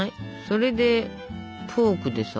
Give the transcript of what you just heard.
それでフォークでさ。